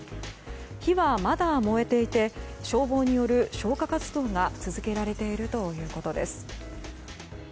火はまだ燃えていて消防による消火活動が続けられているということです。